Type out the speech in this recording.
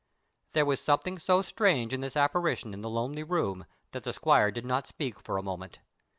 There was something so strange in this apparition in the lonely room that the squire did not speak for a moment.